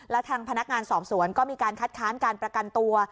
และทางพนักงานสอบสวนก็มีการคัดค้านการประกันตัว